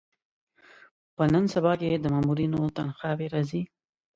په نن سبا کې د مامورینو تنخوا وې راځي.